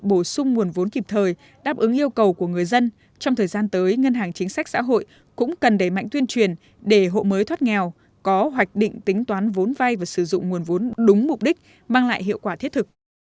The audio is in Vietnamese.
trong thời gian tới ngân hàng chính sách xã hội cũng cần đẩy mạnh tuyên truyền để hộ mới thoát nghèo có hoạch định tính toán vốn vay và sử dụng nguồn vốn đúng mục đích mang lại hiệu quả thiết thực